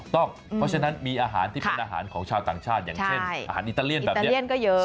เพราะฉะนั้นมีอาหารที่เป็นอาหารของชาวต่างชาติอย่างเช่นอาหารอิตาเลียนแบบนี้